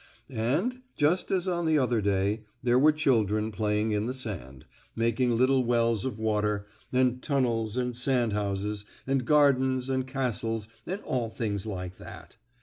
And, just as on the other day, there were children playing in the sand, making little wells of water, and tunnels, and sandhouses, and gardens, and castles and all things like that.